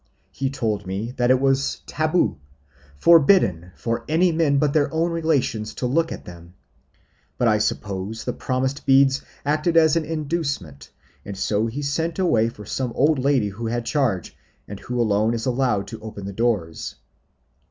He told me that it was 'tabu,' forbidden for any men but their own relations to look at them; but I suppose the promised beads acted as an inducement, and so he sent away for some old lady who had charge, and who alone is allowed to open the doors.